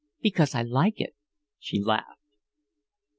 "Because I like it," she laughed.